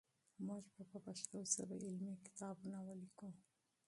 موږ په پښتو ژبه علمي کتابونه لیکو.